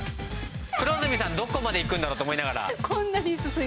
黒住さんどこまで行くんだろうと思いながら。